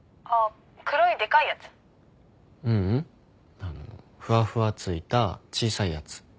あのふわふわついた小さいやつ。